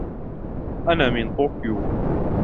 أنا من طوكيو.